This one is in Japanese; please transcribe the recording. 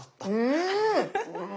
うん！